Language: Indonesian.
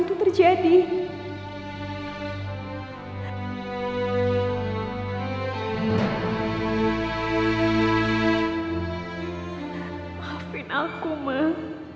itu terjadi aku mah